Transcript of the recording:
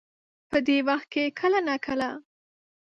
په دې وخت کې کله نا کله